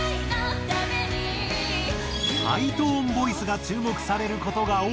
ハイトーンボイスが注目される事が多いが。